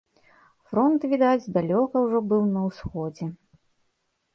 Фронт, відаць, далёка ўжо быў на ўсходзе.